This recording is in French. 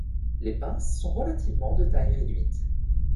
Les pinces sont relativement de taille réduite.